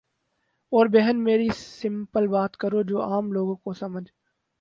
او بہن میری سمپل بات کرو جو عام لوگوں کو سمحجھ